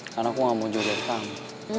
karena aku gak mau jual air kamu